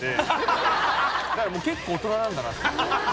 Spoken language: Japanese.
だからもう結構大人なんだな。